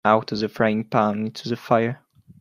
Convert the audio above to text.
Out of the frying pan into the fire.